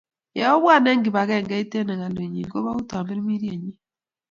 Ye obwa eng kibangengeit eng hekalunyi, kobou Tamirmirienyi